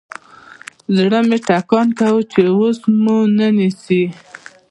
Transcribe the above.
زړه مې ټکان کاوه چې اوس ومو نه نيسي.